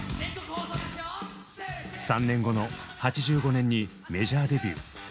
３年後の８５年にメジャーデビュー。